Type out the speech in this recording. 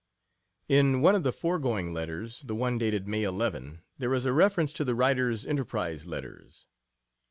In one of the foregoing letters the one dated May 11 there is a reference to the writer's "Enterprise Letters."